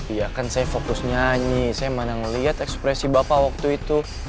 iya kan saya fokus nyanyi saya mana melihat ekspresi bapak waktu itu